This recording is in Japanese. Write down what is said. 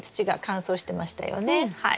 はい。